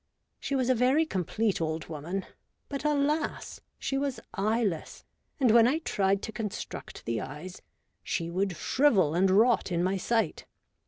She was a very complete old woman; but, alas 1 she was eyeless, and when I tried to construct the eyes she would shrivel and rot in my sight.